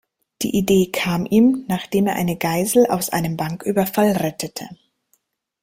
Die Idee kam ihm, nachdem er eine Geisel aus einem Banküberfall rettete.